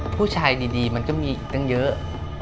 ผู้ชายดีมันก็มีอีกตั้งเยอะ